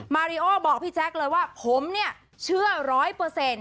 มาริโอบอกพี่แจ๊คเลยว่าผมเนี่ยเชื่อร้อยเปอร์เซ็นต์